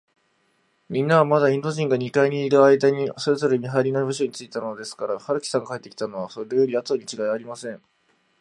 みんなは、まだインド人が二階にいるあいだに、それぞれ見はりの部署についたのですから、春木さんが帰ってきたのは、それよりあとにちがいありません。